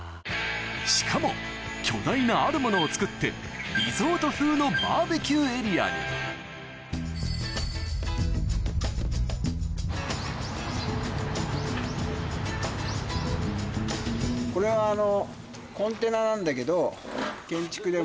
しかも巨大なあるものを造ってリゾート風のバーベキューエリアにこれはあの。